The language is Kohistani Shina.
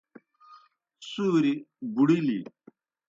سُوریْ بُڑِلیْ۔